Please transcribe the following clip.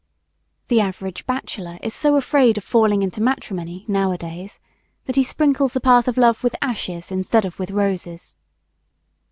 The average bachelor is so afraid of falling into matrimony, nowadays, that he sprinkles the path of love with ashes instead of with roses.